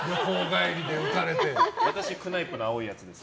私、クナイプの青いやつです。